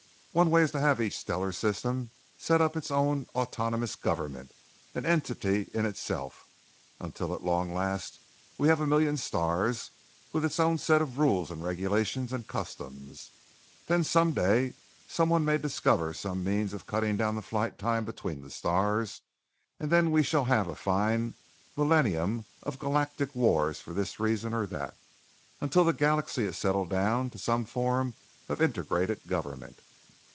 "One way is to have each stellar system set up its own autonomous government, an entity in itself, until at long last we have a million stars with its own set of rules and regulations and customs. Then someday someone may discover some means of cutting down the flight time between the stars, and then we shall have a fine millenium of galactic wars for this reason or that, until the galaxy is settled down to some form of integrated government.